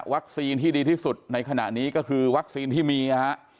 ที่ดีที่สุดในขณะนี้ก็คือวัคซีนที่มีนะฮะ